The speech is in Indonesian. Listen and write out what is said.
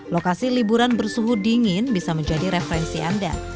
lokasi liburan bersuhu dingin bisa menjadi referensi anda